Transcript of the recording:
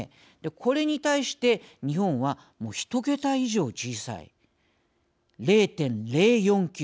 これに対して日本は１桁以上小さい０．０４９。